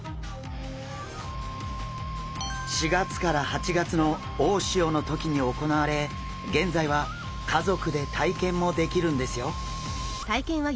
４月から８月の大潮の時に行われ現在は家族で体験もできるんですよ。